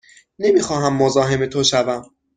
نمی خواهم مزاحم تو شوم.